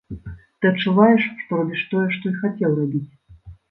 Ты адчуваеш, што робіш тое, што і хацеў рабіць.